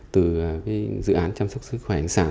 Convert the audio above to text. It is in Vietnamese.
từ dự án chăm sóc sức khỏe hành sản